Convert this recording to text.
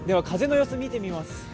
風の様子、見てみます。